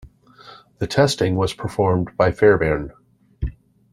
The testing was performed by Fairbairn.